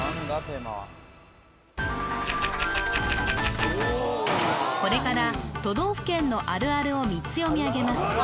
テーマはこれから都道府県のあるあるを３つ読み上げます